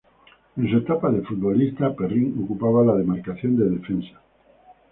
En su etapa de futbolista, Perrin ocupaba la demarcación de defensa.